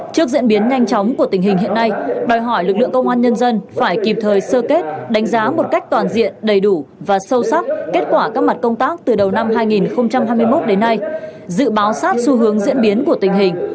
trước diễn biến nhanh chóng của tình hình hiện nay đòi hỏi lực lượng công an nhân dân phải kịp thời sơ kết đánh giá một cách toàn diện đầy đủ và sâu sắc kết quả các mặt công tác từ đầu năm hai nghìn hai mươi một đến nay dự báo sát xu hướng diễn biến của tình hình